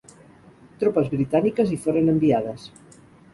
Tropes britàniques hi foren enviades.